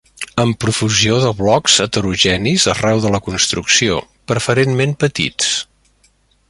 Amb profusió de blocs heterogenis arreu de la construcció, preferentment petits.